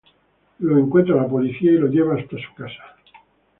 Lo encuentra la policía y lo lleva hasta su casa.